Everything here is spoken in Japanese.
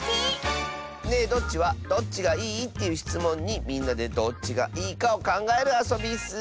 「ねえどっち？」はどっちがいい？というしつもんにみんなでどっちがいいかをかんがえるあそびッス。